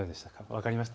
分かりました？